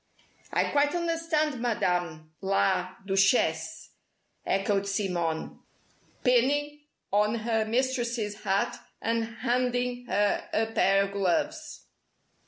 "I quite understand, Madame la Duchesse," echoed Simone, pinning on her mistress's hat, and handing her a pair of gloves.